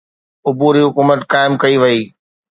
عبوري حڪومت قائم ڪئي وئي.